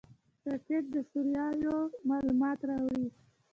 راکټ د سیارویو معلومات راوړي